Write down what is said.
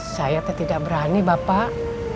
saya tidak berani bapak